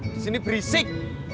di sini berisik